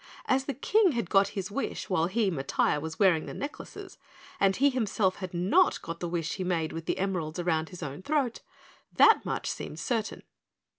As the King had got his wish while he, Matiah, was wearing the necklaces, and he himself had not got the wish he made with the emeralds around his own throat, that much seemed certain.